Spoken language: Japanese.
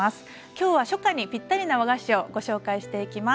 今日は初夏にぴったりな和菓子をご紹介していきます。